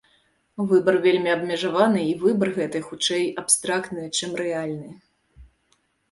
Выбар вельмі абмежаваны, і выбар гэты, хутчэй, абстрактны, чым рэальны.